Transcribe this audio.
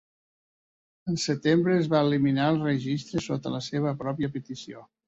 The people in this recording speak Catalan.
En setembre, es va eliminar el registre sota la seva pròpia petició.